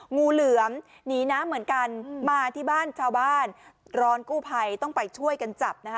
งูเหลือมหนีน้ำเหมือนกันมาที่บ้านชาวบ้านร้อนกู้ภัยต้องไปช่วยกันจับนะคะ